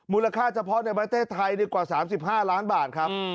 มูลค่าเฉพาะในประเทศไทยดีกว่า๓๕ล้านบาทครับ